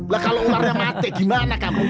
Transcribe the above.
lah kalau ularnya mati gimana kamu